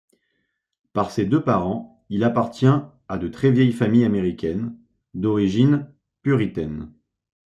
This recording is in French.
Par ses deux parents, il appartient à de très vieilles familles américaines, d'origine puritaine.